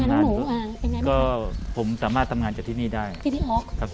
แรกเริ่มจะกลับวันที่สามเมษจะกลับวันที่สี่ใช่ไหมคะ